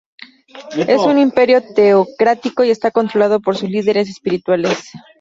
Es un imperio teocrático y está controlado por sus líderes espirituales.